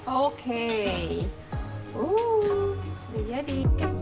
oke uh sudah jadi